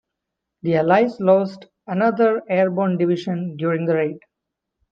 The allies lost another airborne division during the raid.